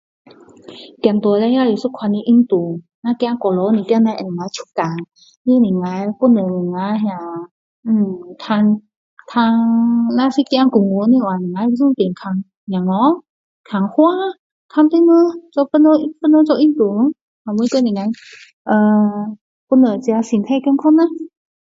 走路也是一种运动若走久一点能够出汗还能够帮助我们那看看若走公园的话我们顺便看孩子看花看大人做别人别人做运动然后帮助呃帮助自己身体健康啦